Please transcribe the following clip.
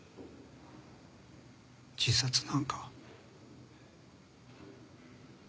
自殺なんか？